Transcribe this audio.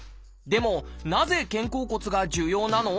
でもなぜ肩甲骨が重要なの？